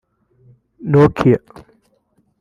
Nokia